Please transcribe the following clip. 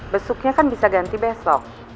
besuknya kan bisa ganti besok